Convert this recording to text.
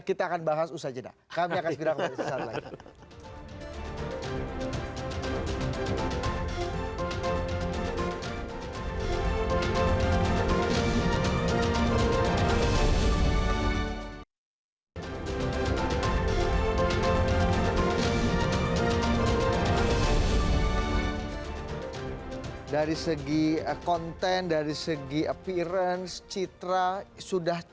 kita akan bahas usaha jenak